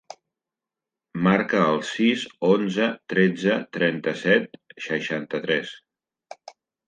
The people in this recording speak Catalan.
Marca el sis, onze, tretze, trenta-set, seixanta-tres.